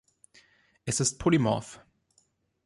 Es ist polymorph.